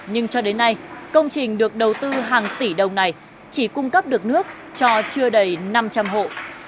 nhưng cho đến nay công trình được đầu tư hàng tỷ đồng này chỉ cung cấp được nước cho chưa đầy năm trăm linh hộ